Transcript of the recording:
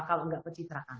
kalau nggak percitraan